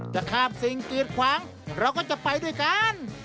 จะข้ามสิ่งกีดขวางเราก็จะไปด้วยกัน